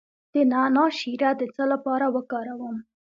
د نعناع شیره د څه لپاره وکاروم؟